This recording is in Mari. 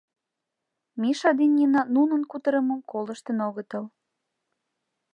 Миша ден Нина нунын кутырымым колыштын огытыл.